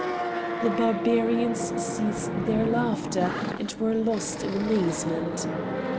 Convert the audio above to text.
The Barbarians ceased their laughter, and were long lost in amazement.